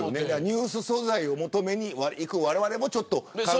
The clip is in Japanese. ニュース素材を求めに行くわれわれもね。